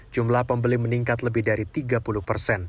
jumlah pembeli meningkat lebih dari tiga puluh persen